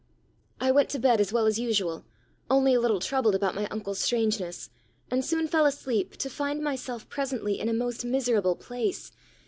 "I went to bed as well as usual, only a little troubled about my uncle's strangeness, and soon fell asleep, to find myself presently in a most miserable place.